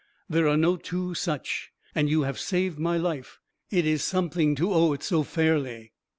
There are no two such. And you have saved my life. It is something to owe it so fairly."